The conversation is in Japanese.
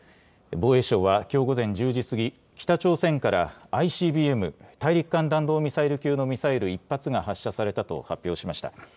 防衛省はきょう午前１０時過ぎ、北朝鮮からＩＣＢＭ・大陸間弾道ミサイル級のミサイル１発が発射されたと発表しました。